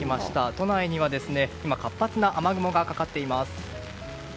都内には今、活発な雨雲がかかっています。